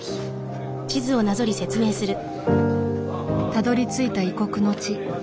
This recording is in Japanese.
たどりついた異国の地。